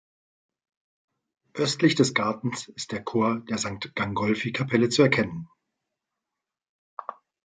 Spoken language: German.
Östlich des Gartens ist der Chor der Sankt-Gangolfi-Kapelle zu erkennen.